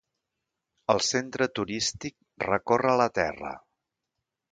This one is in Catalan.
El centre turístic recorre la terra.